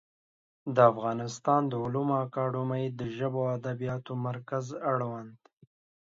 د افغانستان د علومو اکاډمي د ژبو او ادبیاتو مرکز اړوند